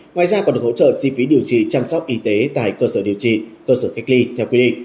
ngoài ra còn được hỗ trợ chi phí điều trị chăm sóc y tế tại cơ sở điều trị cơ sở cách ly theo quy định